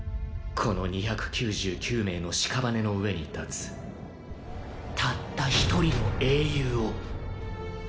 この２９９名のしかばねの上に立つたった一人の英雄を。